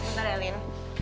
sebentar ya lin